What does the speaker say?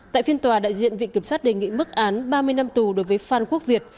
tại phiên tòa đại diện viện kiểm sát đề nghị mức án ba mươi năm tù đối với phan quốc việt